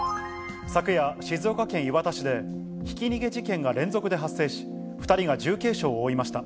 昨夜、静岡県磐田市で、ひき逃げ事件が連続で発生し、２人が重軽傷を負いました。